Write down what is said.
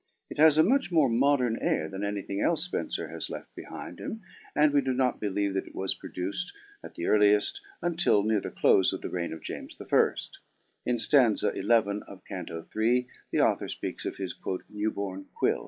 It has a much more modern air than anything elfe Spenfer has left behind him, and we do not believe that it was produced, at the earlieft, until near the clofe of the reign of James I : in St. xi. of Canto iii. the author fpeaks of his new born quill."